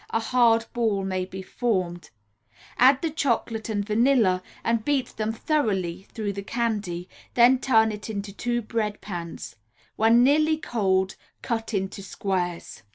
or, until when tested in cold water, a hard ball may be formed; add the chocolate and vanilla and beat them thoroughly through the candy, then turn it into two bread pans. When nearly cold cut into squares.